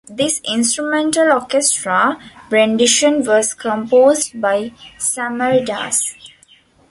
The instrumental orchestra rendition was composed by Samar Das.